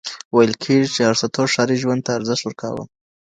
ويل کېږي چې ارسطو ښاري ژوند ته ارزښت ورکاوه.